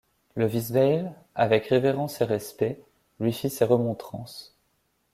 Le vice-bayle, avec révérence et respect, lui fit ses remontrances.